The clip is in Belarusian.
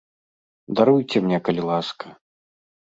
Даруйце мне, калі ласка.